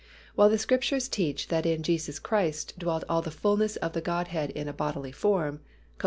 While the Scriptures teach that in Jesus Christ dwelt all the fullness of the Godhead in a bodily form (Col.